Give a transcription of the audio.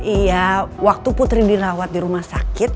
iya waktu putri dirawat di rumah sakit